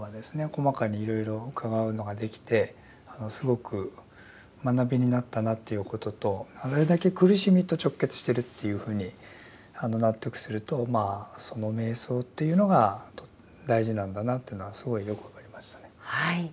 細かにいろいろ伺うのができてすごく学びになったなということとあれだけ苦しみと直結してるっていうふうに納得するとまあその瞑想っていうのが大事なんだなってのはすごいよく分かりましたね。